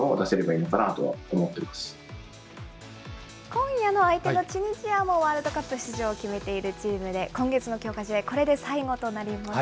今夜の相手のチュニジアもワールドカップ出場を決めているチームで、今月の強化試合、これで最後となります。